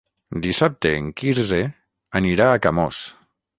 Dissabte en Quirze anirà a Camós.